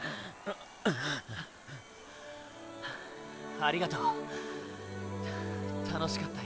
ありがとう楽しかったよ